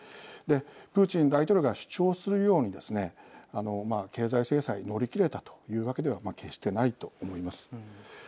プーチン大統領が主張するようにですね経済制裁乗り切れたというわけでは決してないと思います。